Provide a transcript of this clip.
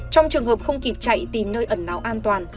trong trường hợp không kịp chạy tìm nơi ẩn náo an toàn